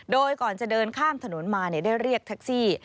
โดยก่อนจะเดินข้ามถนนมาได้เรียกแท็กซี่